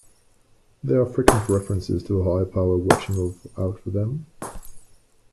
There are frequent references to a higher power watching out for them.